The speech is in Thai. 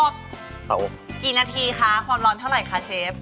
กี่นาทีคะความร้อนเท่าไหร่คะเชฟ